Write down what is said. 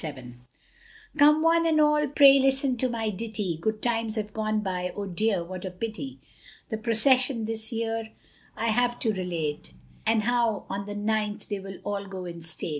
Come one and all, pray listen to my ditty, Good times have gone by, oh dear what a pity! The procession this year I have to relate, And how on the ninth they will all go in state.